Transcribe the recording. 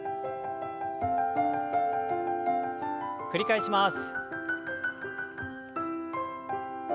繰り返します。